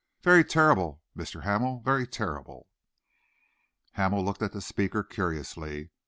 Very terrible, Mr. Hamel! Very terrible!" Hamel looked at the speaker curiously. Mr.